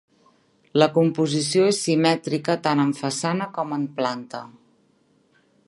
La composició és simètrica tant en façana com en planta.